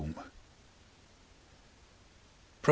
PROP.